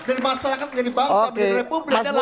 dari masyarakat dari bangsa